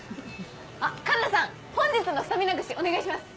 あっカンナさん本日のスタミナ串お願いします。